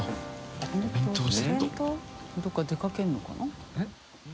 どこか出かけるのかな？